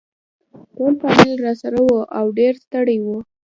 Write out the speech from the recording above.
ټول فامیل راسره وو او ډېر ستړي وو.